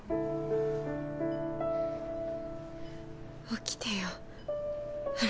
起きてよ新。